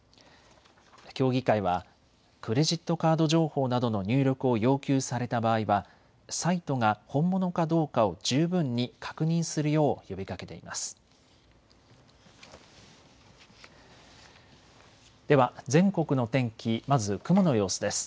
協議会はクレジットカード情報などの入力を要求された場合はサイトが本物かどうかを十分に確認するよう呼びかけています。